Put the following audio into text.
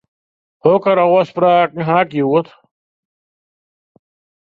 Hokker ôfspraken haw ik hjoed?